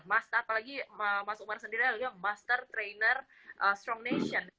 mas apalagi mas umar sendiri adalah master trainer strong nation